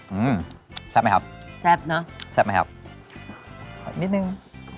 อืมแซ่บไหมครับแซ่บเนอะแซ่บไหมครับขออีกนิดนึง